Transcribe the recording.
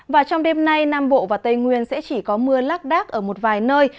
và trong đêm nay nam bộ và tây nguyên sẽ chỉ có mưa lắc đắc ở một vài nơi